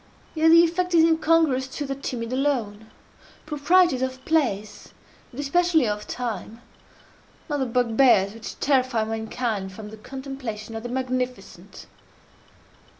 Yet the effect is incongruous to the timid alone. Proprieties of place, and especially of time, are the bugbears which terrify mankind from the contemplation of the magnificent.